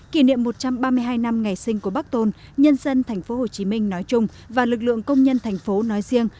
kỷ niệm một trăm ba mươi hai năm ngày sinh của bác tôn nhân dân tp hcm nói chung và lực lượng công nhân thành phố nói riêng